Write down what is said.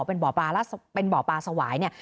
เป็นหมอปลาสวายเนี่ย